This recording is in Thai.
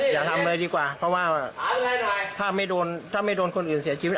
อย่าทำอะไรดีกว่าเพราะว่าถ้าไม่โดนคนอื่นเสียชีวิต